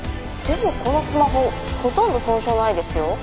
でもこのスマホほとんど損傷ないですよ。